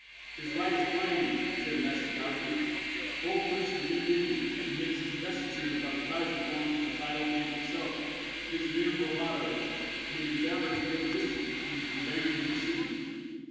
'" "His right is plain," said Master Gottfried; "full proofs were given in, and his investiture by the Kaisar forms a title in itself. It is mere bravado, and an endeavour to make mischief between the Baron and the city."